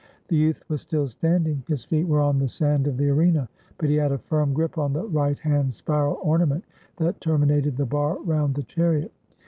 The youth was still standing; his feet were on the sand of the arena; but he had a firm grip on the right hand spiral ornament that terminated the bar round the chariot.